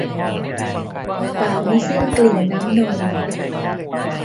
ปากไม่สิ้นกลิ่นน้ำนม